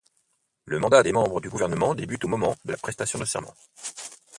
Le mandat des membres du gouvernement débute au moment de la prestation de serment.